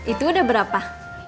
itu udah berapa